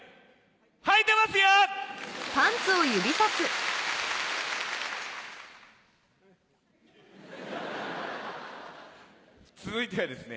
はいてますよ！続いてはですね